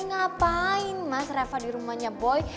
ngapain mas reva di rumahnya boy